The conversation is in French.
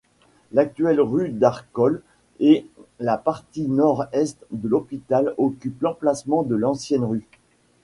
L'actuelle rue d'Arcole et la partie nord-est de l'hôpital occupent l'emplacement de l'ancienne rue.